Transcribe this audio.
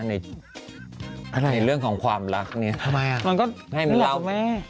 ในเรื่องของความรักเนี่ยทำไมอ่ะมันก็ให้เหมือนเราแม่